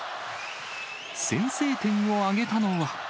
先制点を挙げたのは。